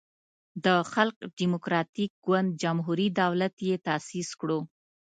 د خلق دیموکراتیک ګوند جمهوری دولت یی تاسیس کړو.